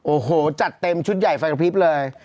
โอ้โหจัดเต็มชุดใหญ่ไฟกระพริบเลย